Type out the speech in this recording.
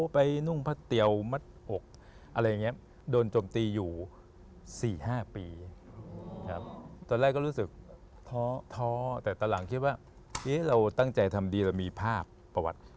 ตอนแรกก็รู้สึกท้อท้อแต่ตอนหลังคิดว่าเราตั้งใจทำดีเรามีภาพประวัติ